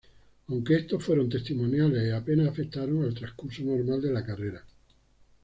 Aunque estos fueron testimoniales y apenas afectaron al transcurso normal de la carrera.